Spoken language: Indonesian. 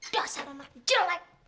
dasar anak jelek